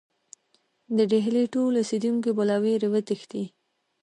د ډهلي ټول اوسېدونکي به له وېرې وتښتي.